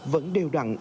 vẫn đều đặn